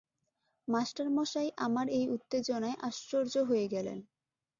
মাস্টারমশায় আমার এই উত্তেজনায় আশ্চর্য হয়ে গেলেন।